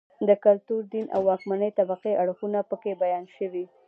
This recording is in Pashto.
د کلتور، دین او واکمنې طبقې اړخونه په کې بیان شوي